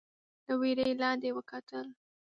له وره يې لاندې وکتل.